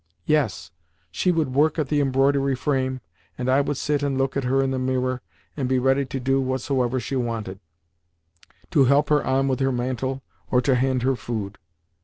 Yes, she would work at the embroidery frame, and I would sit and look at her in the mirror, and be ready to do whatsoever she wanted—to help her on with her mantle or to hand her food.